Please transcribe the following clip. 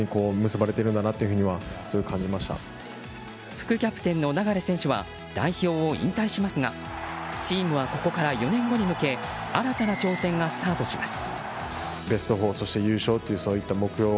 副キャプテンの流選手は代表を引退しますがチームはここから４年後に向け新たな挑戦がスタートします。